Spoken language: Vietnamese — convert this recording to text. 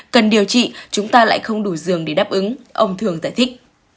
cần điều trị chúng ta lại không đủ giường để đáp ứng ông thường giải thích